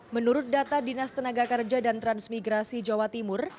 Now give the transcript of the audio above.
menurut data dinas tenaga kerja dan transmigrasi jawa timur